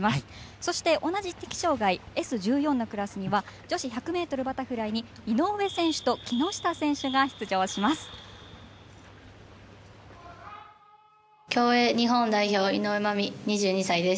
そして同じ知的障がいＳ１４のクラスには女子１００ｍバタフライに井上選手と木下選手が出場します。